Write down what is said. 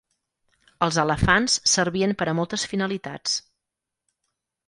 Els elefants servien per a moltes finalitats.